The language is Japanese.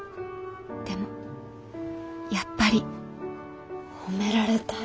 でもやっぱり褒められたい。